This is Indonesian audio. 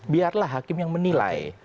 biarlah hakim yang menilai